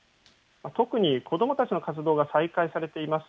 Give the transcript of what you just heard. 特に子どもたちの活動が再開されています。